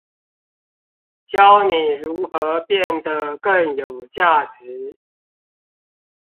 教你如何變得更有價值